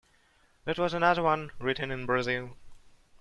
That was another one written in Brazil.